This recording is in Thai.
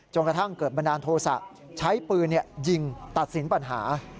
กระทั่งเกิดบันดาลโทษะใช้ปืนยิงตัดสินปัญหา